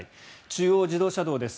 中央自動車道です。